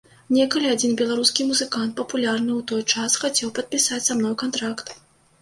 Некалі адзін беларускі музыкант, папулярны ў той час, хацеў падпісаць са мной кантракт.